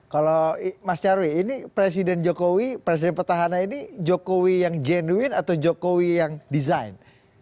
kalau mas nyarwi ini presiden jokowi presiden petahana ini jokowi yang jenuin atau jokowi yang desain